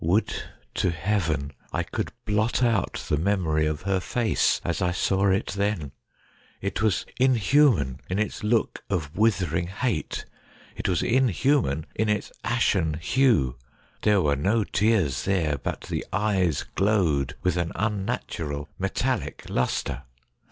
Would to heaven I could blot out the memory of her face as I saw it then ! It was inhuman in its look of withering hate — it was in human in its ashen hue. There were no tears there, but the eyes glowed with an unnatural metallic lustre.